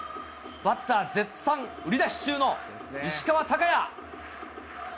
バッター、絶賛売り出し中の石川たかや。